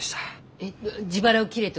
えっ自腹を切れってこと？